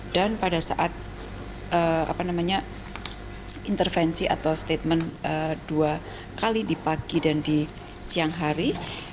dan pada saat intervensi atau statement dua kali di pagi dan di siang hari